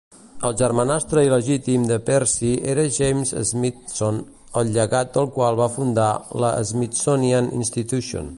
El germanastre il·legítim de Percy era James Smithson, el llegat del qual va fundar la Smithsonian Institution.